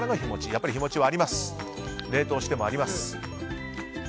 やっぱり日持ちは冷凍してもあります。